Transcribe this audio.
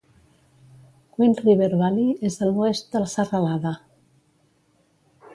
Quinn River Valley és a l'oest de la serralada.